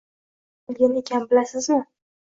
Nima qilgan ekan bilasizmi?